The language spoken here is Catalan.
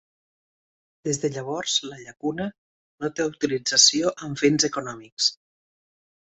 Des de llavors la llacuna no té utilització amb fins econòmics.